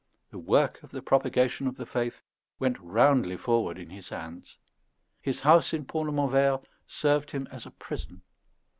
The Work of the Propagation of the Faith went roundly forward in his hands. His house in Pont de Montvert served him as a prison.